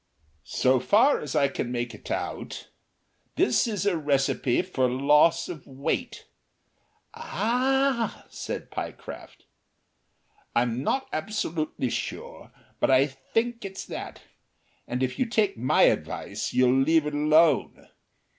"So far as I can make it out, this is a recipe for Loss of Weight. ("Ah!" said Pyecraft.) I'm not absolutely sure, but I think it's that. And if you take my advice you'll leave it alone.